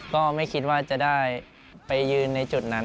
ก็ไม่คิดว่าจะได้ไปยืนในจุดนั้น